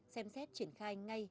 xem xét triển khai ngay